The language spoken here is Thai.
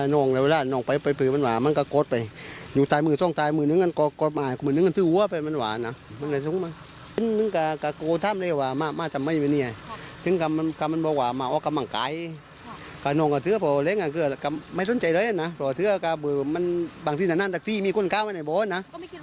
ก็ไม่คิดว่าจะมีใครมาทำให้ดีนะ